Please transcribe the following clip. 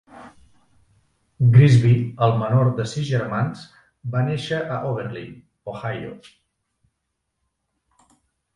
Grigsby, el menor de sis germans, va néixer a Oberlin, Ohio.